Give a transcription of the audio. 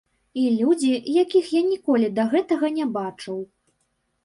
І людзі, якіх я ніколі да гэтага не бачыў.